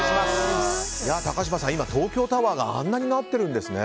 高嶋さん、今、東京タワーがあんなになっているんですね。